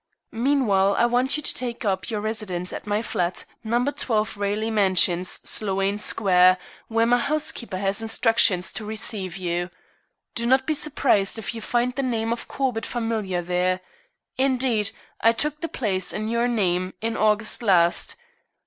Meanwhile I want you to take up your residence at my flat, No. 12 Raleigh Mansions, Sloane Square, where my housekeeper has instructions to receive you. Do not be surprised if you find the name of Corbett familiar there. Indeed, I took the place in your name in August last.